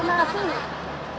bukan pasti lunas sih